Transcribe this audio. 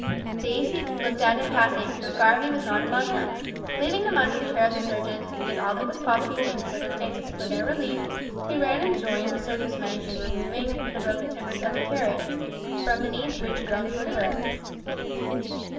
These he looked at in passing, but Garvie was not among them. Leaving them under the care of the surgeons, who did all that was possible in the circumstances for their relief, he ran and joined the surface men in removing the broken timbers of a carriage, from beneath which groans were heard.